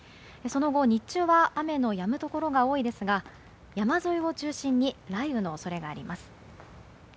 その後、日中は雨のやむところが多いですが山沿いを中心に雷雨の恐れがあります。